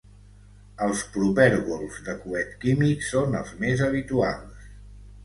Els propergols de coet químics són els més habituals.